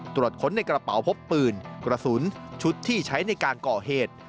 ตรวจค้นในกระเป๋าพบปืนกระสุนชุดที่ใช้ในการก่อเหตุ